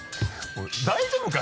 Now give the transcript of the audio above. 大丈夫か？